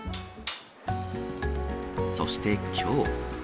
そしてきょう。